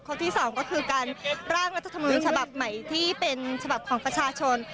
ที่สองก็คือการร่างรัฐธรรมนูญฉบับใหม่ที่เป็นฉบับของประชาชน